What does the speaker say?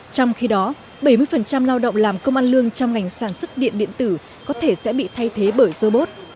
trong khi đó bảy mươi lao động làm công an lương trong ngành sản xuất điện điện tử có thể sẽ bị thay thế bởi robot